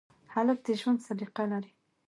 هلک د ژوند سلیقه لري.